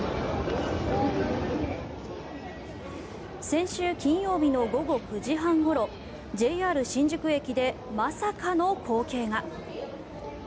先週金曜日の午後９時半ごろＪＲ新宿駅でまさかの光景が。